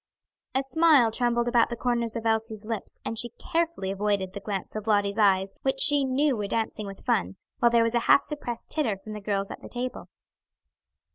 A smile trembled about the corners of Elsie's lips, and she carefully avoided the glance of Lottie's eyes, which she knew were dancing with fun, while there was a half suppressed titter from the girls at the table.